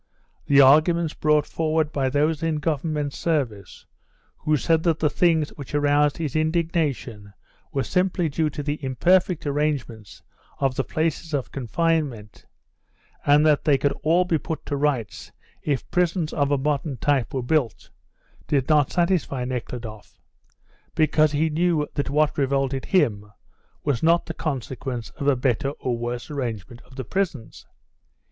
The arguments brought forward by those in government service, who said that the things which aroused his indignation were simply due to the imperfect arrangements of the places of confinement, and that they could all be put to rights if prisons of a modern type were built, did not satisfy Nekhludoff, because he knew that what revolted him was not the consequence of a better or worse arrangement of the prisons.